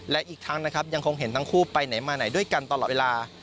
และอีกทั้งนะครับยังคงเห็นทั้งคู่ไปไหนมาไหนด้วยกันตลอดเวลา